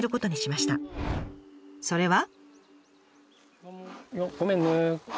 それは。